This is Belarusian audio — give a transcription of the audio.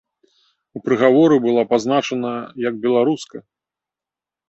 У прыгаворы была пазначаная як беларуска.